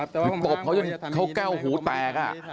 ตบเขายังเขาแก้วหูแตก